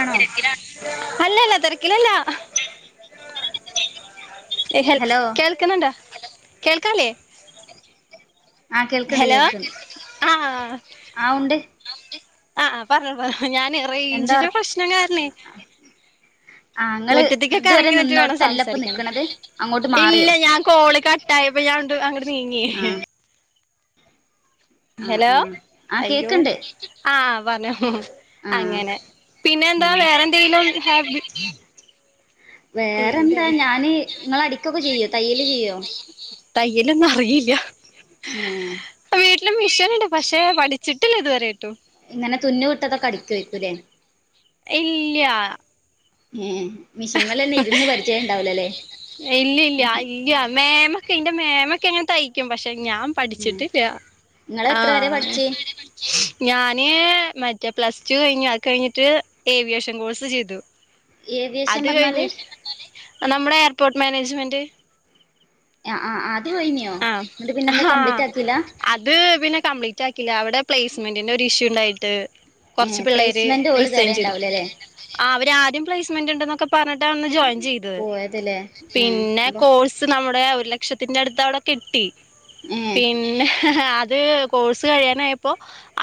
ആണോ തിരക്കില അല്ലല്ല തെരക്കിലല്ലാ [unintelligible] ഹലോ കേൾക്ക്ന്ന്ണ്ടൊ കേൾക്കാല്ലേ ആഹ് കേൾക്ക്ൺണ്ട് ഹലോ കേൾക്ക്ൺണ്ട് ആഹ് ഉണ്ട് ആഹ് ആഹ് പറഞ്ഞോ പറഞൊ ഞാൻ എന്താ റെയ്ഞ്ചിന്റെ വർത്ത പ്രശ്നം കാര്ണേ [inaudible] മുറ്റത്തക്കൊക്കെ ഇതുവരെ എറങ്ങി നിന്നിട്ട് വേണം നിന്നോടത്തല്ല ഇപ്പ സംസാരിക്കാന് നിക്കണത് അങ്ങോട്ട് മാറിയോ ഇല്ല ഞാൻ കോള് ക ട്ടായപ്പൊ ഞാൻ അങ്ങ്ട്ട് നീങ്ങി ആ ആ ആ ഹലോ ആ അയ്യോ കേക്കണ്ട് ആഹ് പറഞ്ഞു ആ അങ്ങനെ പിന്നെന്താ ഉം വേറെന്തെങ്കിലും ഹാ വേറെ എന്താ ഞാന് ഇങ്ങള അടിക്കൊക്ക ചെയ്യൊ തയ്യല് ചിയ്യൊ തയ്യല് ഇന്ന് അറിയില്ല ഏ വീട്ടിലും മിഷിനണ്ട് പക്ഷെ പഠിച്ചിട്ടില്ല ഇതുവരെയിട്ടും. ഇങ്ങനെ തുന്ന് വിട്ടതൊക്കെ അടിക്കുവായിരിക്കും ലേ. ഇല്ല്യാ. ഉം മെഷീൻമലെന്നെ ഇരുന്ന് പരിചയണ്ടാവുലലേ. ഇല്ല്യ ല്ല്യ ഇല്ല്യ മേമക്കെ ഇന്റെ മേമക്കെങ്ങന തൈ ക്ക്യും പക്ഷെ ഞാൻ ഉം പഠിച്ചിട്ടില്ല. നിങ്ങള് എത്ര വരെ ആഹ് ഇങ്ങള് പഠിച്ച് എത്രവരെ പഠിച്ച് ഞാന് മ റ്റെ പ്ലസ് ടു കഴിഞു അയ് കഴിഞ്ഞിട്ട് ഏവിയേഷൻ കോഴ്സ് ചെയ്തു. ഏവിയേഷൻ അത് പറഞ്ഞാല് കഴിഞ്ഞിട്ട് നമ്മുടെ എയർപോർട്ട് മാനേജ്മെന്റ്. ആഹ് ആഹ് ആഹ് അത് പോയിന്യോ ആഹ് എന്നിട്ട് പിന്നെന്തെ ആഹ് കംപ്ലീറ്റ് ആക്കിയില്ല. അത് പിന്നെ കംപ്ലീറ്റ് ആക്കില്ല അവിടെ പ്ലേസ്മെന്റിന്റെ ഒരു ഇഷ്യൂണ്ടായിട്ട്. ഏ കൊറച്ച് പിള്ളേര് പ്ലേസ്മെന്റ് ഓല് റിസൈൻ ചെയ്തു തരേണ്ടാവൂലല്ലേ ആഹ് അവരാരും പ്ലസ്മെന്റ്ണ്ടന്ന്. ഒക്ക പർഞ്ഞിട്ട അന്ന് ജോയിൻ ചെയ്തത് പോയതല്ലേ പിന്നെ കോഴ്സ് നമ്മടെ ഒരു ല ക്ഷത്തിന്റെ അടുത്ത് അവിടെ കെട്ടി ഏ അപ്പൊ ഏ പിന്നെ. അത് കോഴ്സ് കഴിയാനായപ്പോ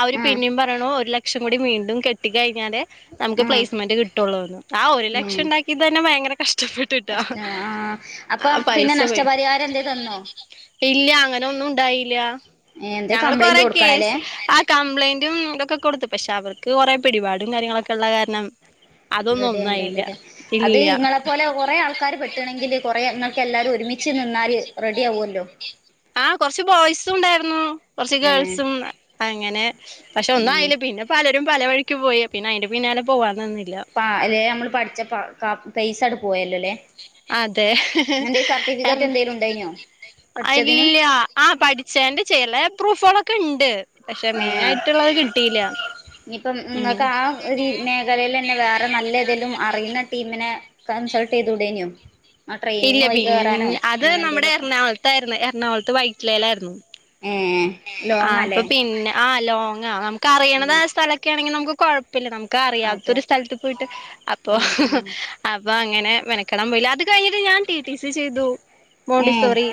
അവര് ആ പിന്നിം പ വേണോ ഒരു ലക്ഷം കൂടി വീണ്ടും കെട്ടി കഴിഞ്ഞാലേ നമുക്ക് ആ പ്ലേസ്മെന്റ് കിട്ടുള്ളൂന്ന് ആ ഒരു ഏ ലക്ഷണ്ടാക്കി. ക്കിതന്നെ ഭയങ്കര കഷ്ടപ്പെട്ടിട്ടാ കഷ്ട ആ ആ അപ്പം പിന്നെ പൈസ പോയി. നഷ്ടപരിഹാരം എന്തേ തന്നോ ഇല്ല അങ്ങനൊന്നുണ്ടായില ഏഹ് എന്തേ ഞങ്ങള് കംപ്ലൈന്റ് കൊറെ കൊടുക്കണല്ലേ കേസ്. ആഹ് കംപ്ലൈന്റും ഇതൊക്കെ കൊടുത്തു പക്ഷെ അവർക്ക് കുറെേ പിടിപാടും കാര്യങ്ങളൊക്കെ ഉള്ള കാരണം. അതൊന്നും ഒന്നായില്ല റെഡ്യായിണ്ടാവില്ലലേ അത് ഇല്ല ഇങ്ങളെപ്പോലെ കൊ റേ ആൾക്കാര് പെട്ട്ണെങ്കില് കുറേ നിങ്ങൾക്കെല്ലാരു ഒരുമിച്ച് നിന്നാല് റെഡ്യാവൊല്ലോ. ആഹ് കൊറച്ച് ബോയ്സും ഇണ്ടായിരുന്നു കൊറച്ച് ഏ ഗേൾസും അങ്ങനെ പക്ഷെ ഉം ഒന്നുആയില്ല പിന്നെ. പലരും പല വഴിക്ക് പോയി പിന്നെ അതിന്റെ പിന്നാലെ പോവനിന്നില്ല. ആഹ് അല്ലെ നമ്മള് പഠിച്ച പ ക പൈസട് പോയല്ലോലെ. അതെ എന്തേലും ഉണ്ടായിനോ പഠിച്ചതിന് ഇല്ല ആഹ് പട് ചേന്റെ ചെലെ പ്രൂഫുളൊക്കെണ്ട്. പക്ഷെ ഏ മെയിനായിട്ടുള്ളത് കിയിട്ടില ഉം. ഒര് മേഖലയിലെന്നെ വേറെ നല്ലെതെലും അറിയുന്ന ടീമിനെ. കൺസൾട്ടെയ്തൂടേന്യൊ. ഇല്ല പിൻ അത് നമ്മടെ എന്തേലുമൊക്കെ എറണാകുളത്തായിരുന്നു എറണാകുളത്ത് വൈറ്റിലെലായിരുന്നു. ഏഹ്. ഏഹ് ആഹ് അപ്പൊ പിന്നെ ആഹ് ലോങ്ങ നമക്ക് ഉം അറിയണതായ സ്ഥലൊക്കെണെങ്കി നമുക്ക് കൊഴ് പിന്നെ അതെ നമുക്കറിയാത്തരു സ്ഥൽത്ത് പോയിട്ട് അപ്പൊ. ആ ആ അപ്പൊ അങ്ങനെ മെനക്കെടാൻ പോയില്ല അത് കഴിഞ്ഞിട്ട് ഞാൻ ടി ടി സി ചെയ്തു. ഏ മോണ്ടിസോറി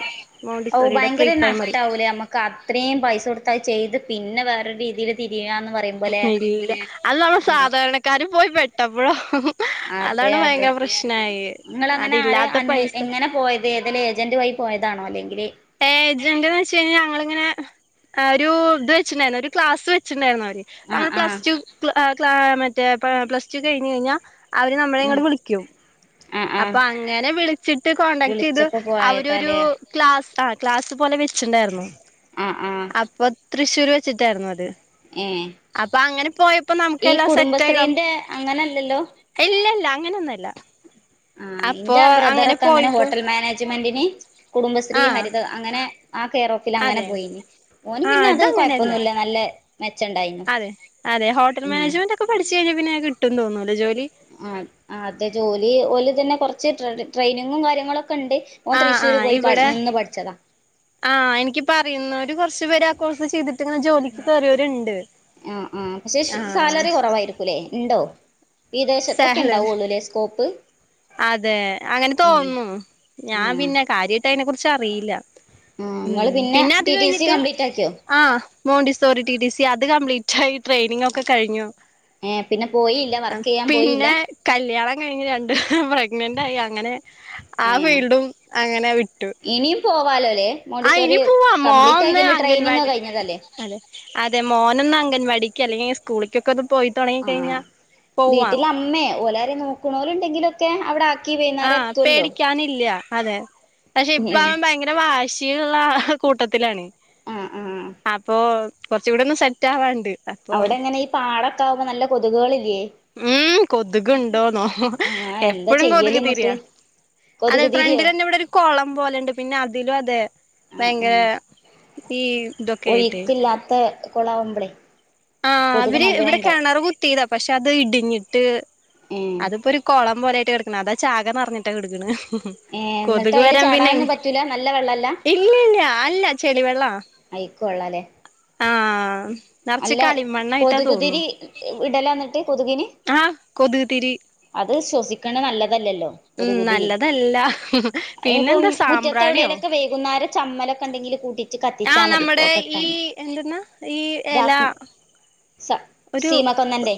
മോണ്ടിസോറീടെ പ്രീ പ്രൈമറി കത്രയും പൈസ കൊട്ത്തയ് ചെയ്ത് പിന്നെ വേറൊരു രീതീല്. ഇല്ല അത് നമ്മള് ഉം സാധാരണക്കാര് പോയി പെട്ടപ്പഴോ. അതെ അതാണ് അതെ ഭയങ്കര പ്രശ്നയി അതില്ലാത്ത പൈസ. ഇത് ഏതലു ഏജന്റ് വയി പോയതാണോ അല്ലെങ്കില്. ഏജന്റ്ന്ന് വെച്ച് കഴിഞ്ഞാ ഞങ്ങളിങ്ങനെ ഒരു ഇത് വെച്ചിട്ടണ്ടായിരുന്നു ഒരു ക്ലാസ് വച്ചിണ്ടായിരുന്നു അവര്. ആ നമ്മൾ ആ പ്ലസ് ടു ക്ല ക്ലാ മറ്റേ പ പ്ലസ് ടു കഴിഞ്ഞ് കഴിഞ്ഞാ. അവര് നമ്മളെ ഉം ഇങ്ട് വിളിക്കും. ആ ആ അപ്പ അങ്ങനെ വിളിച്ചിട്ട് കോണ്ടാക്ട് ചെയ്ത് വിളിച്ചപ്പോ അവരൊരു പോയതാലേ ക്ലാസ് ആ ക്ലാസ് പോലെ വെ ച്ച് ണ്ടായിരുന്നു ആഹ് ആഹ് അപ്പൊ തൃശ്ശൂര് വെച്ചിട്ടായിരുന്നു അത്. ഏഹ്. അപ്പൊ അങ്ങനെ പോയ ഈ കുടുംബശ്രീന്റെ അങ്ങനല്ലല്ലോ? ഇല്ലല്ല അങ്ങനൊന്നുവല്ല ആഹ് ഇന്റെ ബ്രദറൊക്കെ അങ്ങനെ പോയിപ്പോ ഹോട്ടൽ മാനേജ്മെന്റിന് ആ കുടുംബശ്രീ ഹരിത അങ്ങനെ ആ കേറോഫിലങ്ങനെ അതെ പോയീനി ഓന് ആ പിന്നെ അത് ഇതങ്ങനെയല്ല കൊഴപ്പൊന്നുല്ല നല്ല മെച്ചണ്ടായിന്നു അതെ അതെ ഹോട്ടൽ ഉം മാനേജ്മെന്റ് ഒക്കെ പഠിച്ച് കഴിഞ്ഞാ പിന്നെ കിട്ടുന്ന് തോന്നൂല്ലേ ജോലി? ആഹ് അതെ ജോലി ഓല് ഇതന്നെ കൊറച്ച് ട്രെയിനിങ്ങും കാര്യങ്ങളൊക്കെണ്ട് ഓൻ ആഹ് തൃശ്ശൂര് ആഹ് പോയി ഇവിടെ നിന്ന് പഠിച്ചതാ ആഹ് എനിക്ക് ഇപ്പൊ അറിയുന്നോര് കൊറച്ചുപേര് ആ കോഴ്സ് ചെയ്തിട്ട് ഇങ്ങനെ ജോലിക്ക് കയറിയവരുണ്ട് ആഹ് ആഹ് പക്ഷെ സാലറി കൊറവായിരിക്കൂല്ലേ ഇണ്ടോ? വിദേശത്തൊക്കെ സാലറി ഇണ്ടാവൊള്ളൂലേ സ്കോപ്പ്? അതെ അങ്ങനെ ഉം തോന്നുന്നു ഞാ ആഹ് പിന്നെ കാര്യായിട്ട് അതിനെ കുറിച്ച് അറിയില്ല ആ ഉം നിങ്ങൾ പിന്നെ പിന്നത് ടി ടി സി കഴിഞ്ഞിട്ട് കംപ്ലീറ്റ് ആക്കിയോ ആഹ് മോണ്ടിസോറി ടി ടി സി അത് കംപ്ലീറ്റായി ട്രെയിനിങ്ങൊക്കെ കഴിഞ്ഞു ഏഹ് പിന്നെ പോയില്ല വർക്കെയ്യാൻ പോയില്ല? പിന്നെ കല്യാണം കഴിഞ്ഞ് രണ്ടു പ്രഗ്നന്റായി അങ്ങനെ ആ ഏ ഫീൽഡും അങ്ങനെ വിട്ടു ഇനിയും പോവാലോല്ലേ? ആഹ് മോണ്ടിസോറി ഇനി പോവാ മോൻ കംപ്ലീറ്റ് ഒന്ന് ആക്കിയന്റെ ട്രെയിനിങ് അംഗൻവാടി കഴിഞ്ഞതല്ലേ അതെ അതെ മോനൊന്ന് അംഗൻവാടിക്ക് അല്ലെങ്കില് സ്കൂളിക്കൊക്കെ ഒന്ന് പോയി തുടങ്ങി ആഹ് കഴിഞ്ഞാ പോവാം വീട്ടില് അമ്മേ ഓലാരേം നോക്കണോല്ണ്ടെങ്കിലൊക്കെ അവിടെ ആ ആഹ് പേടിക്കാനില്ല അതെ പക്ഷെ ഇപ്പൊ അവൻ ഭയങ്കര ഭയങ്കര വാശിയ്ള്ള കൂട്ടത്തിലാണ് ഉം ഉം അപ്പൊ കൊറച്ചൂടൊന്ന് സെറ്റാവാണ്ട് അവിടെങ്ങനെ ഈ പാടൊക്കെ ആവുമ്പോ നല്ല കൊതുകുകളില്ലേ? ഉം കൊതുക് ഇണ്ടോന്നോ ആ എന്താ എപ്പഴും ചെയ്യല് കൊതുക് എന്നിട്ട് തിരിയാ അതെ കൊതുക് തിരിയോ ഫ്രണ്ടിലന്നെ ഇവടൊരു കൊളം പോലെണ്ട് പിന്നെ അതിലും അതെ ഭയങ്കര ഈ ഇതൊക്കെ ആയിട്ട് ഒഴിക്കില്ലാത്ത കൊളാവുമ്പളേ ആഹ് അവര് ഇവിടെ കിണർ കുത്തിയതാ പക്ഷെ അത് ഇടിഞ്ഞിട്ട് ഏ അതിപ്പൊരു കൊളം പോലെ ആയിട്ട് കെടക്ക്ണെ അതാ ചാക നിറഞ്ഞിട്ടാ കെടക്ക്ണ് ഏഹേ എന്നിട്ടയ്ല് ചാടാനൊന്നും പറ്റൂല നല്ല വെള്ളല്ല ഇല്ലല്ല അല്ല ചെളി വെള്ളവാ അയിക്കു വെള്ളാല്ലേ? ആഹ് നർച്ച് മറ്റെ കൊതുകുതിരി ഇടലാന്നിട്ട് കൊതുകിന്? ആഹ് കൊതുക്തിരി അത് ശ്വസിക്ക്ണ നല്ലതല്ലല്ലോ? ഉം കൊതുകുതിരി നല്ലതല്ല അയിനിപ്പം പിന്നെന്താ മുറ്റത്തെ സാമ്പ്രാണിയോ എവിടേലൊക്കെ വൈകുന്നേര ചമ്മലൊക്കെ ഇണ്ടെങ്കില് കൂട്ടിട്ട് കത്തിച്ചാ മതി പൊകട്ടാണ്ട് എന്ത്ന്നാ? ഈ എല സ ഒരു സീമക്കൊന്നന്റെ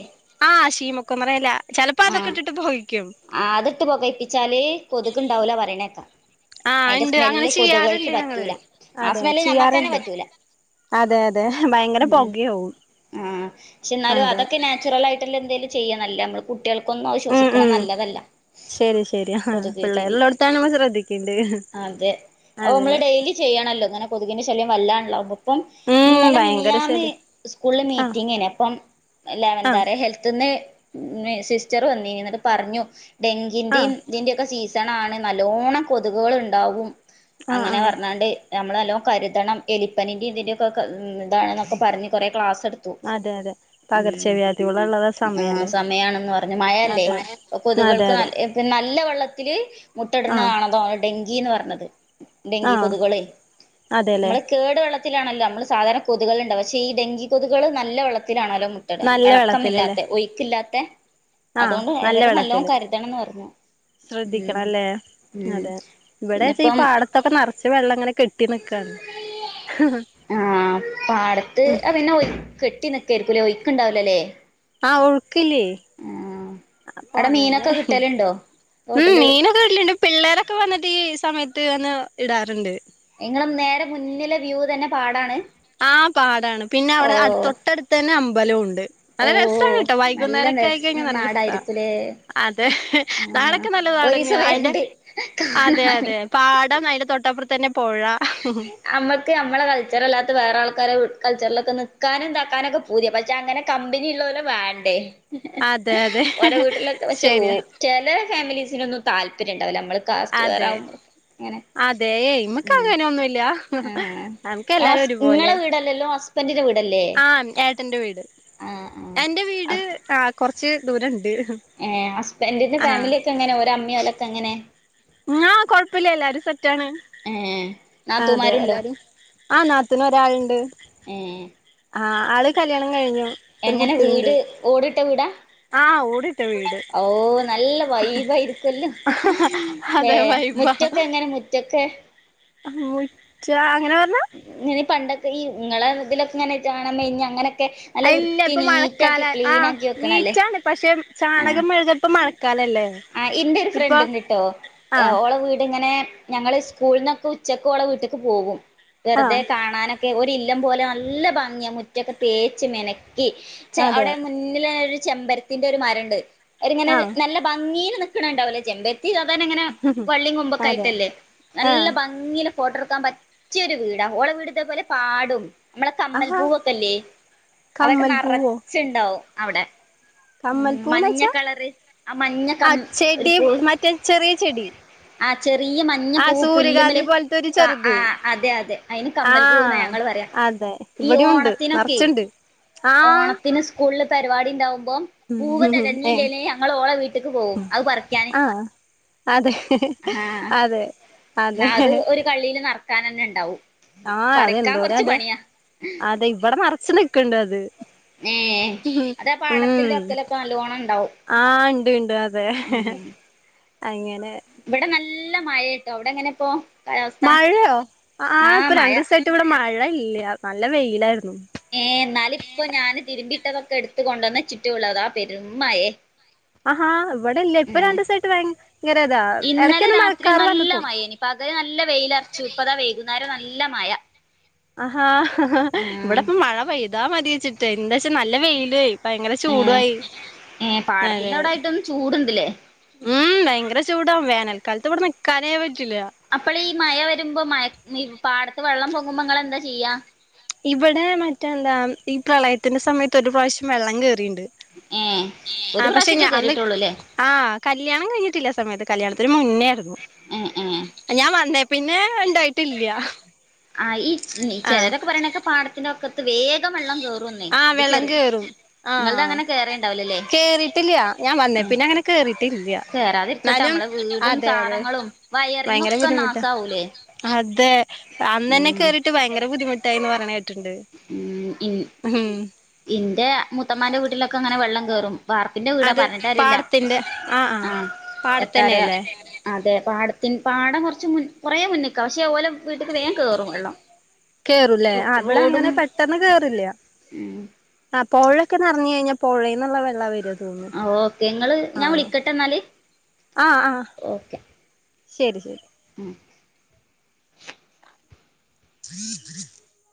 ആ ശീമൊക്കൊന്നെട എല ചെലപ്പോ അതൊക്കെ ഇട്ടിട്ട് പൊകിയിക്കും ആഹ് അത്ട്ട് പുകയിപ്പിച്ചാല് കൊതുക്ണ്ടാവൂല പറയ്ണേക്കാ ആഹ് അയ്ന്റെ ഇണ്ട് അങ്ങനെ സ്മെല്ല് കൊത്കൾക്ക് ചെയ്യാറുണ്ട് ഞങ്ങള് പറ്റൂല ആ അതെ സ്മെല്ല് ഞമ്മക്കെനെ ചെയ്യാറുണ്ട് പറ്റൂല അതെ അതെ ഭയങ്കര പൊകയാവും ആഹ് ആഹ് പക്ഷെ ഇന്നാലും അതെ അതൊക്കെ നാച്ചുറലായിട്ട്ല്ലെ എന്തേലും ചെയ്യണല്ലോ നമ്മള് കുട്ട്യേൾക്കൊന്നും അഹ് ഉം ശ്വാസിക്ക്ണഹ് ഉം നല്ലതല്ല ശരി ശരി ആ കൊത്ക് തിരി പിള്ളേരുള്ളോടത്താണ് നമ്മൾ ശ്രദ്ധിക്കേണ്ട് അതെ അപ്പൊ അതെ അമ്മള് ഡെയ്ലി ചെയ്യണല്ലോ ഇങ്ങനെ കൊതുകിന്റെ ശല്യം വല്ലാണല്ലോ ആവുമ്പപ്പം ഉം ഇന്നലെ മിനി ഭയങ്കര മിനിഞ്ഞാന്ന് ശല്യ ഇസ്കൂൾള് ആഹ് മീറ്റിങ്ങേയ്ന് അപ്പം ലാ വെ ആഹ് എന്താറ്യാ ഹെൽത്ത്ന്ന് ന് സിസ്റ്ററ് വന്നിനി ഇന്നട്ട് പറഞ്ഞു ഡെങ്കിന്റിം ആഹ് ഇതിന്റെയെക്കെ സീസണാണ് നല്ലോണ്ണം കൊത്ക് കള് ഇണ്ടാവും ആഹ് അങ്ങനെ ആഹ് പർഞ്ഞാണ്ട് ഞമ്മള് നല്ലോം കരുതണം എലിപ്പനിന്റിം ഇതിന്റെക്കൊക്കെ ഇതാണ്ന്നൊക്കെ പർഞ്ഞ് കൊറേ ക്ലാസ് എട് ത്തു അതെ അതെ ഉം പകർച്ചവ്യാധികളുള്ള ഉം ആഹ് സമയല്ലേ സമയാണെന്ന് പറഞ്ഞു മഴയല്ലേ അതെ അപ്പൊ കൊത്ക് അതെ കൾക്ക് ന അതെ എഹ് പി നല്ല വെള്ളത്തില് മുട്ട ഇട്ണെ ആഹ് ആണല്ലോ ഡെങ്കിന്ന് പർഞ്ഞത് ഡെങ്കി ആഹ് കൊത്ക് കളെയ് അതെല്ലേ മ്മള് കേട് വെള്ളത്തിലാണല്ലോ അമ്മള് സാധാരണ കൊത്ക് കള് ഇണ്ടാവാ പക്ഷേ ഈ ഡെങ്കി കൊതുക് കള് നല്ല വെള്ളത്തിലാണോല്ലോ മു ട്ടട നല്ല വെള്ളത്തിലല്ലേ എളക്കമില്ലാത്തെ ഒഴ്ക്ക് ഇല്ലാത്തെ ആഹ് അതുകൊണ്ട് നല്ല ഇവരെ നല്ലോം വെള്ളത്തില് കരുതണംന്ന് പറഞ്ഞു ഉം ഉം ഉം ഇവടേച്ചാ ഈ പാടത്തൊക്കെ നെറച്ച് വെള്ളം ഇങ്ങനെ കെട്ടി നിക്കാണ് ആഹ് പാടത്ത് ആഹ് പിന്നെ ഒയ് കെട്ടി നിക്കേര്ക്കുംല്ലേ ഒഴുക്ക്ഇണ്ടാവുലല്ലേ ആഹ് ഒഴുക്കില്ലേ അപ്പൊ അവിടെ അങ്ങനെ മീനൊക്കെ കിട്ടലുണ്ടോ ഉം തോട്ടില് മീനൊക്കെ വെര്ല്ണ്ട് പിള്ളേരൊക്കെ വന്നിട്ട് ഈ സമയത്ത് വന്ന് ഇടാറ്ണ്ട് ഇങ്ങളെ നേരെ മുന്നിലെ വ്യൂ തന്നെ പാടാണ് ആഹ് പാടാണ് പിന്നെ ഓ അവിടെ അട് തൊട്ടടുത്ത് തന്നെ അമ്പലോം ഉണ്ട് ഓ നല്ല രസാണ് ട്ടോ നല്ല വൈകുന്നേരൊക്കെ രസ ആയി കഴിഞ്ഞാൽ നല്ല രസാ നാടായിരിക്കുലേ അതെ ആഹ് നാളെക്കെ നല്ലെ ഒരീസം നാടെന്ന്യാ അയ്ന്റെ വരണ്ട് അതെ കാണാന് അതെ പാടം അയ്‌ന്റെ തൊട്ടപ്പർത്തെന്നെ പൊഴ അമ്മക്ക് അമ്മളെ കൾച്ചറല്ലാത്ത വേറെ ആൾക്കാരെ കൾച്ചർലൊക്കെ നിക്കാനും ഇന്താക്കാനൊക്കെ പൂത്യാ പക്ഷെ അങ്ങനെ കമ്പനി ഇള്ളോലെ വേണ്ടേ അതെ അതെ ഓരെ വീട്ട്ലൊക്കെ പക്ഷെ ഓ ശരിയാ ചെലേ ഫാമിലീസിനൊന്നും താല്പര്യം ഇണ്ടാവൂലാ അമ്മള് കാസ്റ്റ് വേറെ അതെ ആവുംബളൊക്കെ ഇങ്ങനെ അതെ ഇമ്മക്ക് ഉം അങ്ങനെ ഒന്നുല്ല ആഹ് നമുക്ക് എല്ലാരും ഇങ്ങളസ് ഒരുപോലെ ഇങ്ങളെ വീടല്ലല്ലോ ഹസ്ബന്റിന്റെ വീടല്ലേ ആഹ് ഉം ഏട്ടന്റെ വീട് ആഹ് ആഹ് എന്റെ വീട് അപ്പ ആഹ് കൊർച്ച് ദൂരം ഇണ്ട് ഏഹ് ഹസ്ബൻന്റിന്റെ ഫാമിലി ഒക്കെ എങ്ങനെ ഓരെ അമ്മീം ഓലൊക്കെ എങ്ങനെ ങ്ങ്ഹാ കൊഴപ്പല്ല്യ എല്ലാരും സെറ്റാണ് ഏഹ് ആഹ് അതെ നാത്തൂമാരുണ്ടോ എല്ലാരും ആഹ് നാത്തൂന് ഒരാള്ണ്ട് ഏഹ് ആഹ് ആള് കല്യാണം കഴിഞ്ഞു ഒരു എങ്ങനെ കുട്ടിണ്ട് വീട് ഓടിട്ട ആഹ് ഓടിട്ട വീട് ഓഹ് നല്ല വൈബ് ആയിരിക്കൊല്ലോ ല്ലേ അതെ വൈബാ മുറ്റൊക്കെ എങ്ങനെ മുറ്റൊക്കെ മുറ്റ അങ്ങനെ പർഞ്ഞാ ഇഞ്ഞനെ പണ്ടൊക്കെ ഈ ഇങ്ങളെ ഇതിലൊക്കെ ഇങ്ങനെ ചാണം മെഴ്ഞ്ഞ അങ്ങനൊക്കെ നല്ല അയില്ല വൃത്തി ഇപ്പൊ നീറ്റാക്കി മഴക്കാല ക്ലീൻ ആഹ് ആക്കി വെക്കണല്ലേ നീറ്റാണ് പക്ഷെ ചാണകം മെഴ്‌ക ഇപ്പൊ മഴക്കാലല്ലേ ആഹ് ഇന്റെ ഒരു ഇപ്പൊ ഫ്രണ്ട്ണ്ട്ട്ടോ ആഹ് ഓളെ വീട് ഇങ്ങനെ ഞങ്ങള് സ്കൂളിൾന്നൊക്കെ ഉച്ചക്ക് ഓളെ വീട്ട്ക്ക് പോകും വെറുതെ ആഹ് കാണാനൊക്കെ ഒരില്ലം പോലെ നല്ല ഭംഗിയാ മുറ്റൊക്കെ തേച്ച് മെനക്കി ച്ചെ അതെ അവിടെ മുന്നിലൊ ഒരു ചെമ്പരത്തിന്റൊരു മരണ്ട്. ഒര് ങ്ങനെ ആഹ് നല്ല ഭംഗീൽ നിക്കണണ്ടാവല്ലോ ചെമ്പര്ത്തി സാധാരണങ്ങനെ വള്ളീം അതെ കൊമ്പൊക്കായ്ട്ടല്ലേ നല്ല ആഹ് ഭം ങ്ങില്ലെ ഫോട്ടട്ക്കാൻ പറ്റിയൊരു വീടാ ഓളെ വീട്തേപോലെ പാടും നമ്മളെ ആഹാ കമ്മൽപ്പൂവൊക്കല്ലേ അതൊക്കെ കമ്മൽ പൂവോ നറച്ച്ണ്ടാവും അവിടെ ഉം കമ്മൽ പൂന്ന് മഞ്ഞ വെച്ചാ കളറ് ആ മഞ്ഞ ആ കം ഒരു ചെടി പൂവ് മറ്റേ ചെറിയ ചെടി ആ ചെറിയ മഞ്ഞ ആ പൂവ് സൂര്യകാന്തി പുല്ല്മ്മല് പോലത്തെ ഒരു ആഹ് ചെറുത് ആഹ് അതെ അതെ അയ് ന് കമ്മൽപൂവ്ന്ന ആഹ് ഞങ്ങള് പറ്യ. അതെ ഈ ഇവിടെയും ഉണ്ട് ഓണത്തിനൊക്കേയ് നറച്ചുണ്ട് ഓണ ആഹ് പിന്നസ്കൂളില് പരിപാടിണ്ടാവുമ്പം പൂവ്ന് ഏ തെകഞ്ഞില്ലേല് ഞങ്ങളോളെ വീട്ടിക്ക് പോവും, അത് പറിക്ക്യാന് ആഹ് അതെ അതെ അതെ കള്ളീല് നർക്കാനെന്നെണ്ടാവും ആഹ് അതെന്തോരാതേ അതെ ഇവടെ നറച്ച് നിക്ക്ണ്ടത് ഏഹ് അതാ പാടത്തിന്റെ ഒക്കെലൊക്കെ നല്ലോണണ്ടാവും ആഹ് ണ്ട് ണ്ട് അതെ അങ്ങനെ വടെ നല്ല മഴേട്ടോ, ഔടെങ്ങനേപ്പോ മഴയോ ആ ഇപ്പൊ മഴ രണ്ടൂസായിട്ട് വടെ മഴല്ല്യ. നല്ല വെയിലായിരുന്നു ഏ ന്നാലിപ്പൊ ഞാന് തിരുമ്പിട്ടതൊക്കെട്ത്ത കൊണ്ടന്നച്ചിട്ടേ ഒള്ളു, അതാ പെരുമ്മയേ ആഹാ വടെല്ലെ പ്പ രണ്ട്സായിട്ട് വയ ഭങ്കരതാ ഇന്നലെ എടക്കൊന്ന് രാത്രി മഴക്കാറ് നല്ല വന്ന്പോവും മഴേനി പകല് നല്ല വെയിലർച്ചു, പ്പതാ വൈകുന്നേരം നല്ല മയ ആഹാ ഇവിടെപ്പ മഴ പെയ്താ മതിച്ചിട്ടേ എന്താച്ചാ നല്ല വെയിലെയ് ഭയങ്കര ഏ ചൂടുആയി ഏ അതെ പാടത്തിന്റെ അവിടായിട്ടും ചൂടുണ്ടില്ലേ ഉം ഭയങ്കര ചൂടാ വേനൽക്കാലത്ത് വടെ നിക്കാനെ പറ്റില്ല അപ്പളീ മയ വരുമ്പോ മയ ഈ പാടത്ത് വെള്ളം പൊങ്ങുമ്പോ ങ്ങളെന്താ ചെയ്യാ ഇവിടെ മറ്റെന്താ ഈ പ്രളയത്തിന്റെ സമയത്ത് ഒരു പ്രാവശ്യം വെള്ളം കേറീണ്ട് ഏഹ് ഒരു പ്രാവശ്യക്കേ കേറിട്ടൊള്ളൂല്ലേ ആഹ് കല്യാണം കഴിഞ്ഞിട്ടില്ലാ സമയത്ത് കല്യാണത്തിന് മുന്നേർന്നു. ഏ ഏ ഞാൻ വന്നേ പിന്നെ ണ്ടായിട്ടില്ല്യ ആഹ് ഈ ച് ചെലരൊക്കെ പറിണേക്ക പാടത്തിന്റ വക്കത്ത് വേഗം വെള്ളം കേറും ആഹ് വെള്ളം കേറും. ആഹ് അങ്ങനെ കേറേണ്ടാവൂലല്ലേ കേറിട്ടില്ല്യാ.. ഞാൻ വന്നേ ഉം പിന്നങ്ങനെ കേറിട്ടില്ല്യ, കേറാതിരിക്കട്ടെ ന്നാലും നമ്മളെ വീടും അതെ അതെ സാധനങ്ങളും ഭയങ്കര വയറിങ്ങൊക്കെ ബുദ്ധിമുട്ടാ നാസാവൂലേ അതെ അന്നന്നെ ഉം കേറിട്ട് ഭയങ്കര ബുദ്ധിമുട്ടായിന്ന് പറയ്ണേട്ട്ണ്ട് ഉം ഇൻ ഹും ഇന്റെ മുത്തമ്മാന്റെ വീട്ടിലൊക്കെങ്ങനെ വെള്ളം കേറും വാർപ്പിന്റെ വീടാ പർഞ്ഞിട്ടാര്യല്ല ആഹ് എത്താറ്യ പാടത്തന്നെയല്ലേ അതെ പാടത്തിൻ പാടം കൊർച്ച് മുൻ കൊറേ മുന്ന്ക്കാ പക്ഷേ ഓലെ വീട്ടിക്ക് വേം കേറും വള്ളം കേറുല്ലേ ആ വടങ്ങനെ പെട്ടന്ന് കേറില്ല്യ ഉം ആ പൊഴെക്കെ നർഞ്ഞ് കഴിഞ്ഞ പൊഴേന്ന്ള്ള വെള്ള വര ആഹ് ഓക്കെ ങ്ങള് ഞാൻ വിളിക്കട്ടെന്നാല് ആഹ് ആഹ് ഓക്കെ ശരി ശരി ഉം [unintelligible]